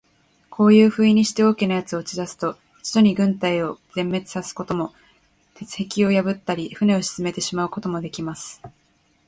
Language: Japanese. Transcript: こういうふうにして、大きな奴を打ち出すと、一度に軍隊を全滅さすことも、鉄壁を破ったり、船を沈めてしまうこともできます。